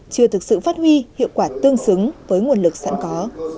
chưa thực sự phát huy hiệu quả tương xứng với nguồn lực sẵn có